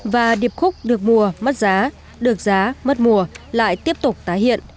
và điệp khúc được mua mất giá được giá mất mùa lại tiếp tục tái hiện